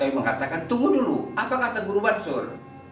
tapi mengatakan tunggu dulu apa kata guru mansur